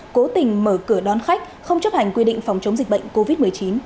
cố tình mở cửa đón khách không chấp hành quy định phòng chống dịch bệnh covid một mươi chín